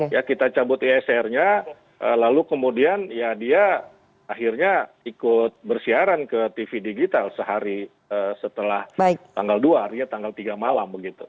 ya kita cabut isr nya lalu kemudian ya dia akhirnya ikut bersiaran ke tv digital sehari setelah tanggal dua akhirnya tanggal tiga malam begitu